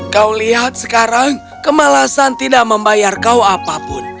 kau lihat sekarang kemalasan tidak membayar kau apapun